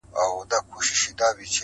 هوسا کړي مي لا نه وه د ژوند ستړي سفرونه!.